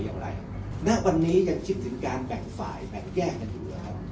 วันนี้กันคิดถึงการแบ่งฝ่ายแยกกันดู